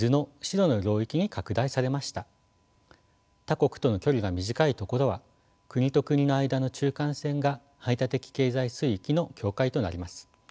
他国との距離が短いところは国と国の間の中間線が排他的経済水域の境界となります。